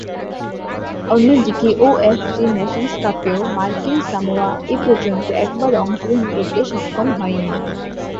অন্যদিকে, OFC Nations কাপেও মার্কিন সামোয়া এপর্যন্ত একবারও অংশগ্রহণ করতে সক্ষম হয়নি।